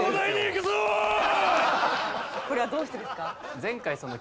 これはどうしてですか？